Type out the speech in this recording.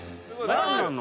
何なの？